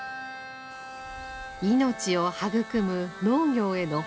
命を育む農業への誇り。